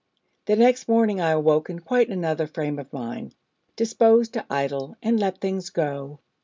The next morning I awoke in quite another frame of mind, disposed to idle, and let things go.